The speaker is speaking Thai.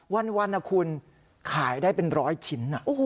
วันนะคุณขายได้เป็นร้อยชิ้น